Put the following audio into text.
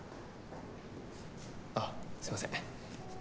あすいません。